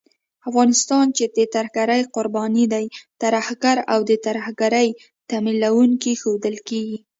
افغانستان چې د ترهګرۍ قرباني دی، ترهګر او د ترهګرۍ تمويلوونکی ښودل کېږي